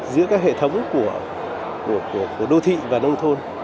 giữa các hệ thống của đô thị và nông thôn